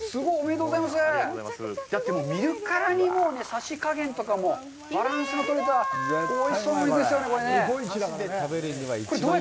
でも、見るからにもうサシかげんとかもバランスの取れたおいしそうなお肉ですよね。